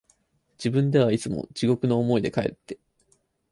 自分ではいつも地獄の思いで、かえって、